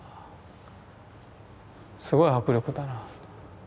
すごい迫力だな。